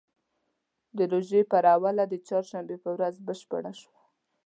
د روژې پر اوله د چهارشنبې په ورځ بشپړه شوه.